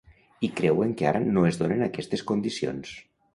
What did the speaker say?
I creuen que ara no es donen aquestes condicions.